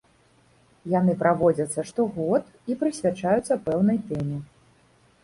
Яны праводзяцца штогод і прысвячаюцца пэўнай тэме.